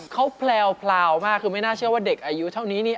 เขาแพลวมากคือไม่น่าเชื่อว่าเด็กอายุเท่านี้เนี่ย